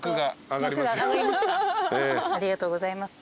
ありがとうございます。